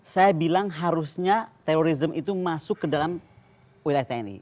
saya bilang harusnya terorisme itu masuk ke dalam wilayah tni